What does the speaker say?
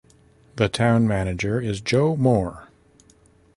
The Town Manager is Joe Moore.